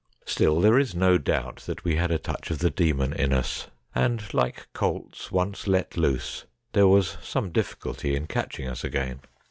Still, there is no doubt that we had a touch of the demon in us, and like colts once let loose there was some difficulty in catching us again.